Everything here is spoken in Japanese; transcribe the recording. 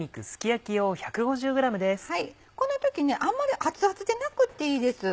この時あんまり熱々でなくていいです。